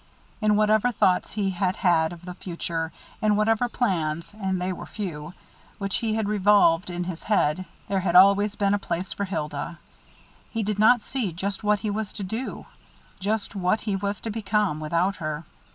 In whatever thoughts he had had of the future, in whatever plans, and they were few, which he had revolved in his head, there had always been a place for Hilda. He did not see just what he was to do, just what he was to become, without her.